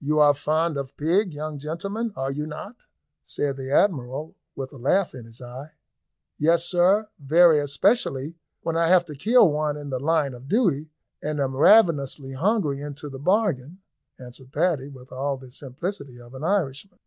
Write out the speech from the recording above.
"You are fond of pig, young gentlemen, are you not?" said the Admiral, with a laugh in his eye. "Yes, sir, very, especially when I have to kill one in the line of duty, and am ravenously hungry into the bargain," answered Paddy, with all the simplicity of an Irishman.